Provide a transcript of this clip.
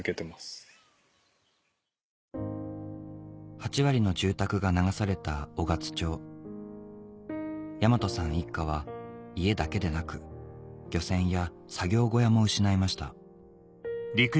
８割の住宅が流された雄勝町大和さん一家は家だけでなく漁船や作業小屋も失いました